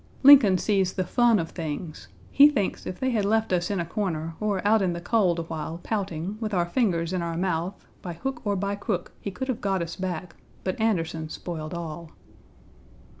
Lincoln sees the fun of things; he thinks if they had left us in a corner or out in the cold a while pouting, with our fingers in our mouth, by hook or by crook he could have got us back, but Anderson spoiled all.